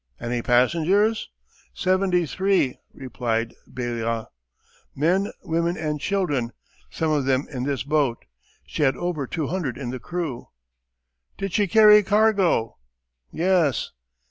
"Any passengers?" "Seventy three," replied Ballyn, "men, women, and children, some of them in this boat. She had over two hundred in the crew." "Did she carry cargo?" "Yes."